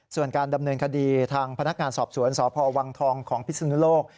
ส่วนการดำเนินคดีทางพนักงานสอบสวนสพวังทองของพิศนุโลก